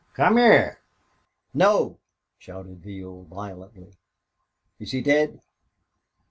"Come heah!" "No!" shouted Neale, violently. "Is he dead?"